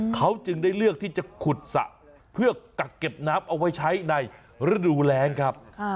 เขาจึงได้เลือกที่จะขุดสระเพื่อกักเก็บน้ำเอาไว้ใช้ในฤดูแรงครับ